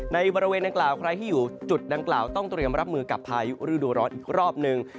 ในบริเวณดังกล่าวใครที่อยู่จุดดังกล่าวต้องเตรียมรับมือกับพายุฤดูร้อนอีกรอบหนึ่ง